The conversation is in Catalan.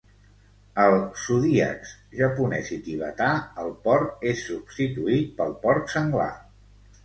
Al zodíacs japonès i tibetà, el porc es substituït pel porc senglar.